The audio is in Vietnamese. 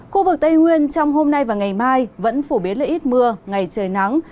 khu vực tây nguyên trong hôm nay và ngày mai vẫn phổ biến là ít mưa ngày trời nắng